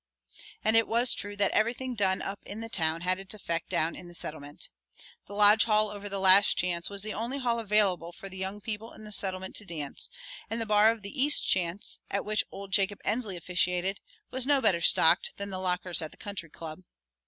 And it was true that everything done up in the town had its effect down in the Settlement. The lodge hall over the Last Chance was the only hall available for the young people in the Settlement to dance, and the bar of the East Chance, at which old Jacob Ensley officiated, was no better stocked than the lockers at the Country Club.